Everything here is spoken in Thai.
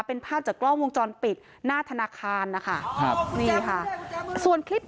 เป็นภาพจากกล้องวงจรปิดหน้าธนาคารนะคะครับนี่ค่ะส่วนคลิป